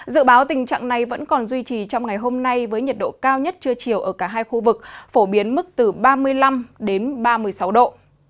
dự báo tình trạng này vẫn còn duy trì trong ngày hôm nay với nhiệt độ cao nhất trưa chiều ở cả hai khu vực phổ biến mức từ ba mươi năm ba mươi sáu độ